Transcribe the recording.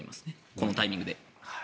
このタイミングで。